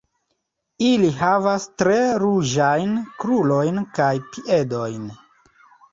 Ili havas tre ruĝajn krurojn kaj piedojn.